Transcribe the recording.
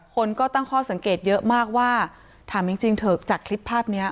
คนก็ตั้งข้อสังเกตเยอะมากว่าถามจริงเถอะจากคลิปภาพนี้